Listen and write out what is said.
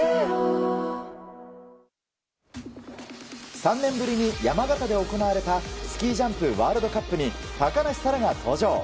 ３年ぶりに山形で行われたスキージャンプワールドカップに高梨沙羅が登場。